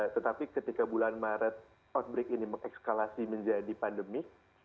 tetapi ketika bulan maret outbreak ini mengekskalasi menjadi pandemi